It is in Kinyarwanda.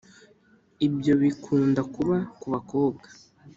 Ibyo bikunda kuba ku bakobwa